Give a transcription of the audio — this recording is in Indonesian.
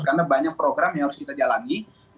karena banyak program yang harus kita jalani